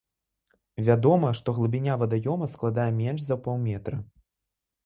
Вядома, што глыбіня вадаёма складае менш за паўметра.